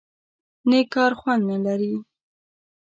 _نېک کار خوند نه لري؟